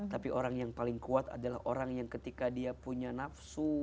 tapi orang yang paling kuat adalah orang yang ketika dia punya nafsu